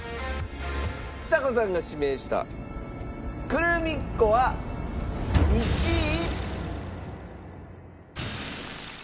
ちさ子さんが指名したクルミッ子は１位。